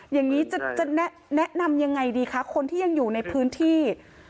อย่างนี้จะแนะนำยังไงดีคะคนที่ยังอยู่ในพื้นที่